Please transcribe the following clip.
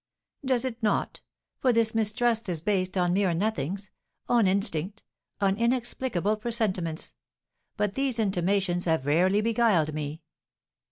"Does it not? For this mistrust is based on mere nothings on instinct on inexplicable presentiments; but these intimations have rarely beguiled me."